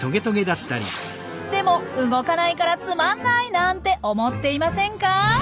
でも動かないからつまんないなんて思っていませんか？